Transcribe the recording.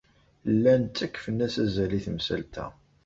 Llan ttakfen-as azal i temsalt-a.